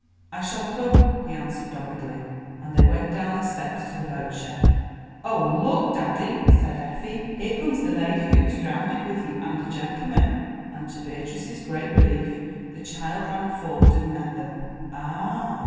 "I shall come," he answered doggedly, and they went down the steps to the boat shed. "Oh, look, daddy," said Effie, "here comes the lady who was drownded with you and a gentleman," and to Beatrice's great relief the child ran forward and met them. "Ah!"